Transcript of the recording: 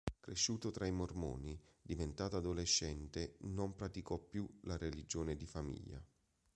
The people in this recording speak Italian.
Cresciuto tra i mormoni, diventato adolescente non praticò più la religione di famiglia.